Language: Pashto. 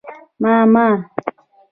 _ما، ما